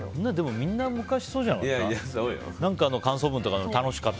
みんな昔そうじゃなかった？